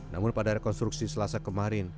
namun pada rekonstruksi selasa kemarin